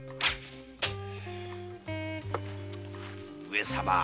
上様！